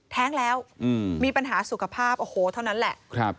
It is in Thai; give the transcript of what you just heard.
แท้งแล้วมีปัญหาสุขภาพโอ้โหเท่านั้นแหละ